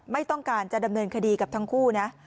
ไม่ต้องการจะดำเนินคดีกับทั้งคู่นะ